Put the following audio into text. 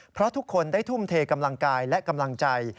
เพราะทุกคนได้ทุ่มเทกำลังกายและกำลังใจ